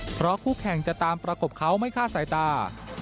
เพราะคู่แข่งจะตามประกบเขาไม่ฆ่าสายตา